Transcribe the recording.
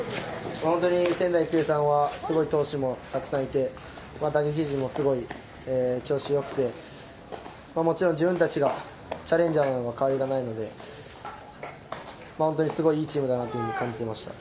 本当に仙台育英さんはすごい投手もたくさんいて、リリーフ陣も調子よくて、もちろん自分たちがチャレンジャーなのは変わりがないので、本当にすごいいいチームだなというふうに感じていました。